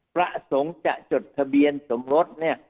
พระสงฆ์จะจดทะเบียนสมรสเนี่ย